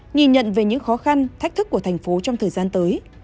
nhìn nhận về những khó khăn thách thức của thành phố trong thời gian tới